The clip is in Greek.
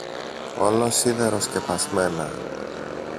όλο σίδερο σκεπασμένα